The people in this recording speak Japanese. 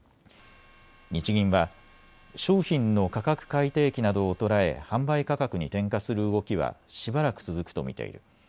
日銀は商品の価格改定期などを捉え販売価格に転嫁する動きはしばらく続くと見ている。